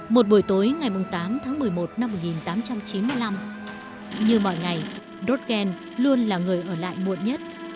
một buổi tối ngày tám tháng một mươi một năm một nghìn tám trăm chín mươi năm như mọi ngày brot ken luôn là người ở lại muộn nhất